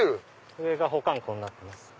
上が保管庫になってます。